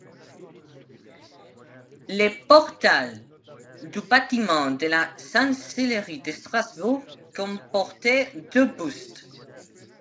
Le portail du bâtiment de la Chancellerie de Strasbourg comportait deux bustes.